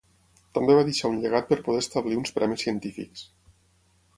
També va deixar un llegat per poder establir uns premis científics.